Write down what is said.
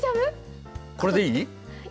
これでいい？